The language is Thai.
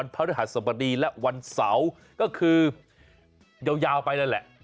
พระฤทธิษฐรรมดีและวันเสาร์ก็คือยาวไปแล้วแหละ